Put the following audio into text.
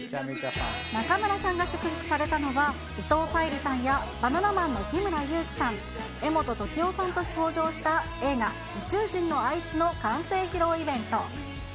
中村さんが祝福されたのは、伊藤沙莉さんや、バナナマンの日村勇紀さん、柄本時生さんと登場した映画、宇宙人のあいつの完成披露イベント。